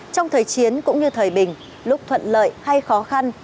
trong thời chiến cũng như thời bình lúc thuận lợi hay khó khăn